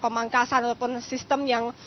pemangkasan ataupun sistem yang